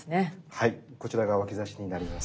はいこちらが脇指になります。